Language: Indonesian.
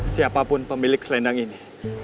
siapapun pemilik selendang ini